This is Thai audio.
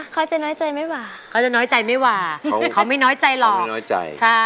เขาจะน้อยใจไม่ว่าเขาไม่น้อยใจหรอก